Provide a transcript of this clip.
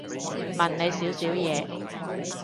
問你少少嘢